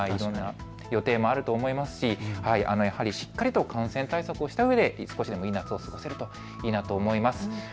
予定もあると思いますしやはりしっかりと感染対策をしたうえで少しでもいい夏を過ごせればいいなと思います。